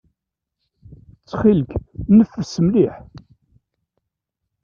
Ttxil-k, neffes mliḥ.